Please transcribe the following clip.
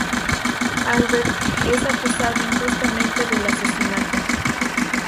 Albert, es acusado injustamente de asesinato.